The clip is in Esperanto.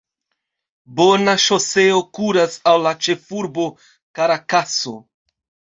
Bona ŝoseo kuras al la ĉefurbo Karakaso.